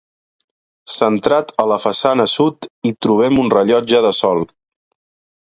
Centrat a la façana sud hi trobem un rellotge de sol.